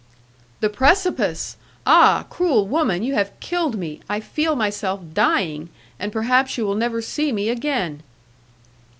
"The precipice! Ah! cruel woman, you have killed me, I feel myself dying, and perhaps you will never see me again."